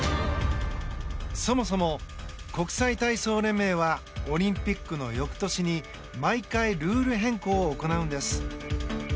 そもそも国際体操連盟はオリンピックの翌年に毎回ルール変更を行うんです。